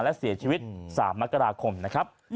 และเสียชีวิต๓มกราคมนะครับ